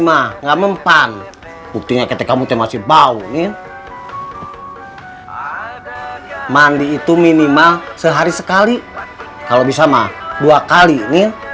mah nggak mempan buktinya ketek kamu masih bau nih mandi itu minimal sehari sekali kalau bisa mah dua kali ini iya kan